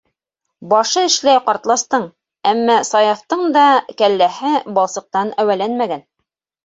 Башы эшләй ҡартластың, әммә Саяфтың да кәлләһе балсыҡтан әүәләнмәгән.